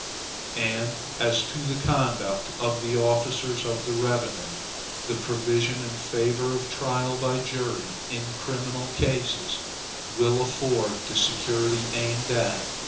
And as to the conduct of the officers of the revenue, the provision in favor of trial by jury in criminal cases, will afford the security aimed at.